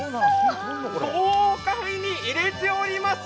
豪快に入れております。